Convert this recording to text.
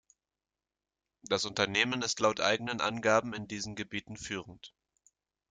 Das Unternehmen ist laut eigenen Angaben in diesen Gebieten führend.